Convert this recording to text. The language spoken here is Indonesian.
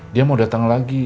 dia mau datang lagi